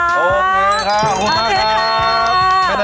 โอเคค่ะคุณมากครับ